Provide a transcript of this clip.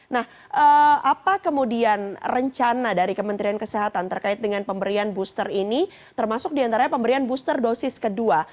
nah apa kemudian rencana dari kementerian kesehatan terkait dengan pemberian booster ini termasuk diantaranya pemberian booster dosis kedua